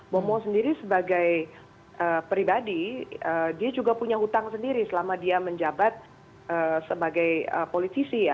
bomo sendiri sebagai pribadi dia juga punya hutang sendiri selama dia menjabat sebagai politisi ya